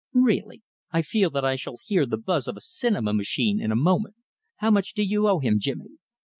Really, I feel that I shall hear the buzz of a cinema machine in a moment. How much do you owe him, Jimmy?"